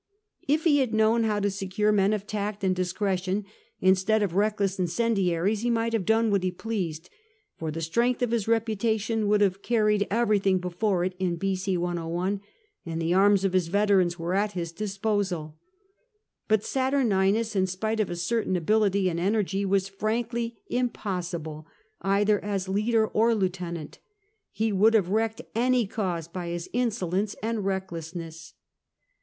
If he had known how to secure men of tact and discretion instead of reckless incendiaries, he might have done what he pleased : for the strength of his reputation would have carried everything before it in B.C. loi, and the arms of his veterans were at his disposal Bnt Saturninus, in spite of a certain ability and energy, was frankly impossible either as leader or lieutenant. He would have wrecked any cause by his insolence and reck lessness.